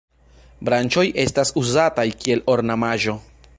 Branĉoj estas uzataj kiel ornamaĵo.